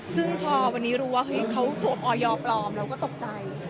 ซึ่งพอรู้ว่าเค้าสวมออยอปลอมแล้วก็ตกใจ